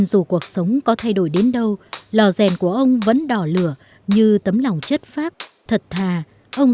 dù cuộc sống có thay đổi đến đâu lò rèn của ông vẫn đỏ lửa như tấm lòng chất phác thật thà ông